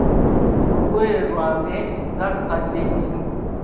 Olugoye lwange nga lukadde nnyo!